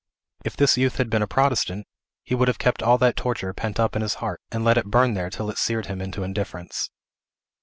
If this youth had been a Protestant, he would have kept all that torture pent up in his heart, and let it burn there till it seared him into indifference.